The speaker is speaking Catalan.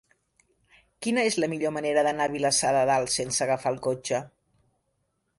Quina és la millor manera d'anar a Vilassar de Dalt sense agafar el cotxe?